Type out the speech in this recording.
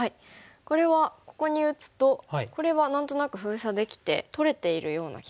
これはここに打つとこれは何となく封鎖できて取れているような気がしますね。